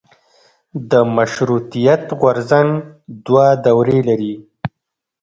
د مشروطیت غورځنګ دوه دورې لري.